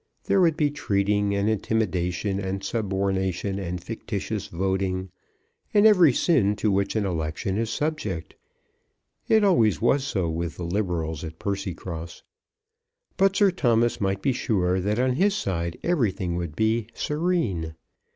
there would be treating, and intimidation, and subornation, and fictitious voting, and every sin to which an election is subject. It always was so with the Liberals at Percycross. But Sir Thomas might be sure that on his side everything would be "serene."